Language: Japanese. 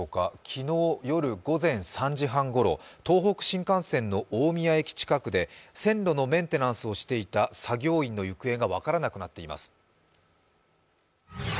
昨日夜午前３時半ごろ東北新幹線の大宮駅近くで線路のメンテナンスをしていた作業員の行方が分からなくなっています。